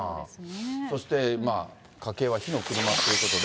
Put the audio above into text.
そしてまあ、家計は火の車ということで。